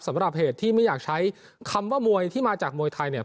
สำหรับเหตุที่ไม่อยากใช้คำว่ามวยที่มาจากมวยไทยเนี่ย